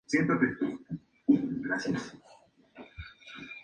El ejemplar tiene una longitud preservada de trece centímetros.